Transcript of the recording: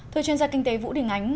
thưa chuyên gia kinh tế vũ đình ánh